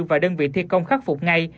và đơn vị thi công khắc phục ngay